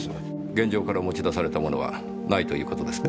現場から持ち出されたものはないという事ですね？